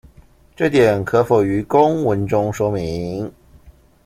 這點可否於公文中說明